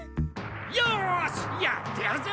よしやってやるぞ！